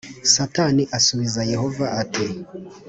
Satani asubiza Yehova ati.